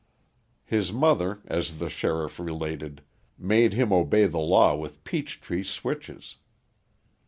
His mother, as the sheriff related, made him obey the law with peach tree switches.